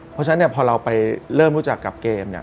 เพราะฉะนั้นพอเราไปเริ่มรู้จักกับเกม